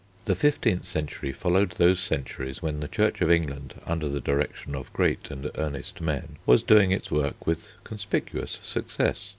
The fifteenth century followed those centuries when the Church of England, under the direction of great and earnest men, was doing its work with conspicuous success.